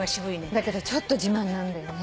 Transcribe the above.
だけどちょっと自慢なんだよね。